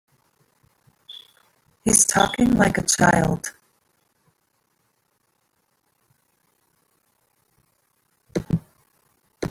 He's talking like a child.